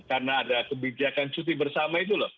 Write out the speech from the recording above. karena ada kebijakan cuti bersama itu loh